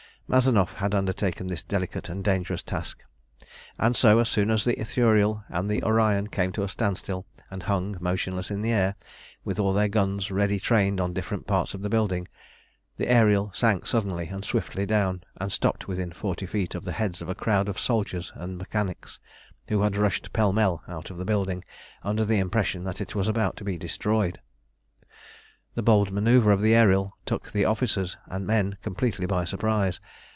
Mazanoff had undertaken this delicate and dangerous task, and so, as soon as the Ithuriel and the Orion came to a standstill, and hung motionless in the air, with all their guns ready trained on different parts of the building, the Ariel sank suddenly and swiftly down, and stopped within forty feet of the heads of a crowd of soldiers and mechanics, who had rushed pell mell out of the building, under the impression that it was about to be destroyed. The bold manœuvre of the Ariel took officers and men completely by surprise.